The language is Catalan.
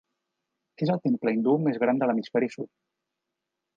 És el temple hindú més gran de l'hemisferi sud.